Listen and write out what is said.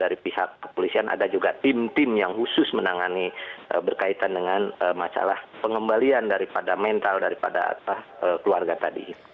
dari pihak kepolisian ada juga tim tim yang khusus menangani berkaitan dengan masalah pengembalian daripada mental daripada keluarga tadi